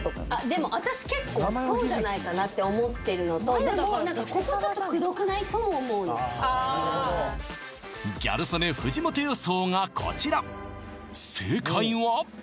でも私結構そうじゃないかなって思ってるのとでも何かここちょっとくどくない？とも思うのあギャル曽根藤本予想がこちら正解は？